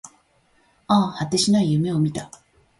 ああ、果てしない夢を見た